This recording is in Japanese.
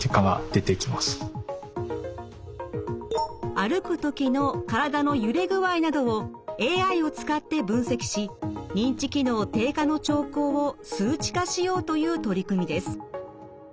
歩く時の体の揺れ具合などをＡＩを使って分析し認知機能低下の兆候を数値化しようという取り組みです。